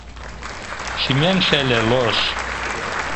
Шÿмем шеле лош –